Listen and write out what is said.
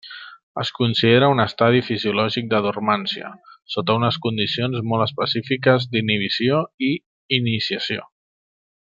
Es considera un estadi fisiològic de dormància sota unes condicions molt específiques d'inhibició i iniciació.